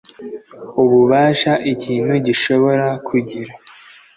ububasha ikintu gishobora kugira